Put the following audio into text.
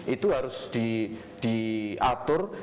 itu harus diatur